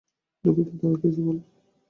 দুঃখিত, ধরা খেয়েছি বলে।